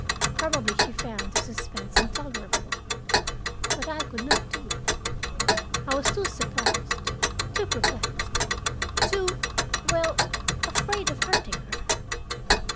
Probably she found the suspense intolerable. But I could not do it. I was too surprised, too perplexed, too well, afraid of hurting her.